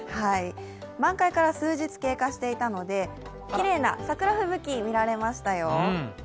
満開から数日経過していたので、きれいな桜吹雪、見られましたよ。